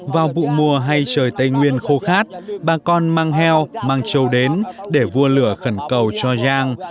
vào vụ mùa hay trời tây nguyên khô khát bà con mang heo mang châu đến để vua lửa phần cầu cho giang